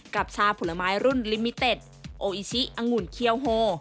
กับชาผลไม้รุ่นลิมิเต็ดโออิชิอังุ่นเคียวโฮ